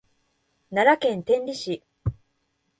奈良県天理市